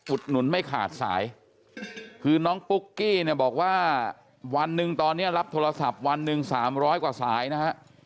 หนุนไม่ขาดสายคือน้องปุ๊กกี้เนี่ยบอกว่าวันหนึ่งตอนนี้รับโทรศัพท์วันหนึ่ง๓๐๐กว่าสายนะฮะ